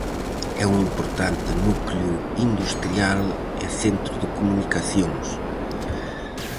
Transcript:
É un importante núcleo industrial e centro de comunicacións.